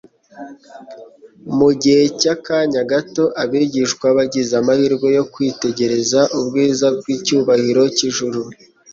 Mu gihe cy'akanya gato abigishwa bagize amahirwe yo kwitegereza ubwiza bw'icyubahiro cy'ijuru